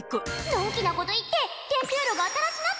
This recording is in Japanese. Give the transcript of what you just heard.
のんきなこと言ってテンピュールが新しなったんやで！